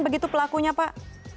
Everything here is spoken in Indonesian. begitu pelakunya pak